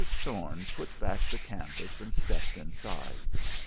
Thorne put back the canvas and stepped inside.